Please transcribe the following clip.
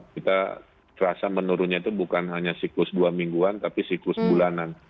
kita terasa menurunnya itu bukan hanya siklus dua mingguan tapi siklus bulanan